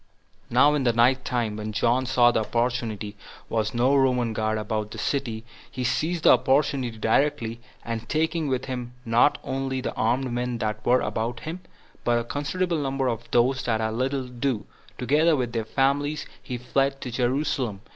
4. Now, in the night time, when John saw that there was no Roman guard about the city, he seized the opportunity directly, and, taking with him not only the armed men that were about him, but a considerable number of those that had little to do, together with their families, he fled to Jerusalem.